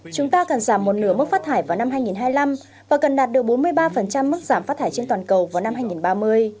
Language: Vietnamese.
chúng ta cần giảm một nửa mức phát thải vào năm hai nghìn hai mươi năm và cần đạt được bốn mươi ba mức giảm phát thải trên toàn cầu vào năm hai nghìn ba mươi